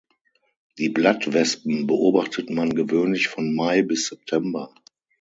Die Blattwespen beobachtet man gewöhnlich von Mai bis September.